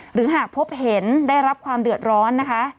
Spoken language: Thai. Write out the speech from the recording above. หากพบเห็นได้รับความเดือดร้อนนะคะ